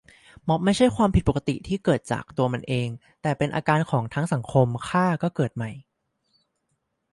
ม็อบไม่ใช่ความผิดปกติที่เกิดขึ้นจากตัวมันเอง แต่เป็นอาการของทั้งสังคม ฆ่าก็เกิดใหม่